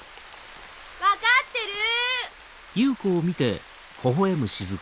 分かってる！